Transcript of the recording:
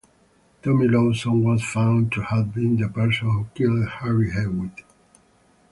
Tommy Lawson was found to have been the person who killed Harry Hewitt.